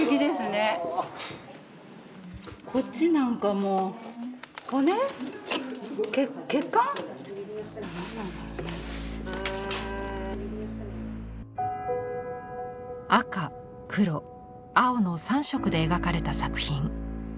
こっちなんかもう赤黒青の３色で描かれた作品。